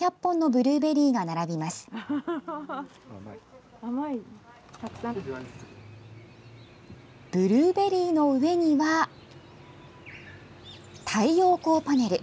ブルーベリーの上には太陽光パネル。